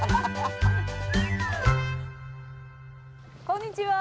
こんにちは。